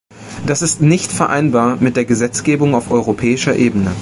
Das ist nicht vereinbar mit der Gesetzgebung auf europäischer Ebene.